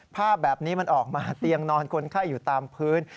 ภาพแบบนี้มันออกมาเตียงนอนคนไข้อยู่ตามพื้น